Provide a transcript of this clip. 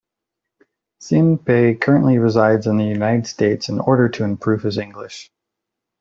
Hsin Pei currently resides in the United States in order to improve his English.